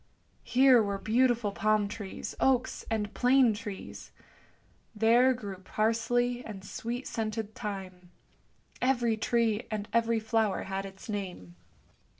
Here were beautiful palm trees, oaks, and plane trees; there grew parsley and sweet scented thyme; every tree and every flower had its name.